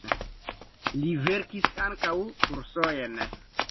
Li verkis ankaŭ kursojn.